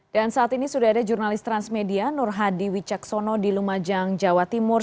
dan saat ini sudah ada jurnalis transmedia nur hadi wiceksono di lumajang jawa timur